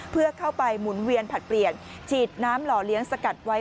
เพื่อเข้าไปหมุนเวียนผลัดเปลี่ยนฉีดน้ำหล่อเลี้ยงสกัดไว้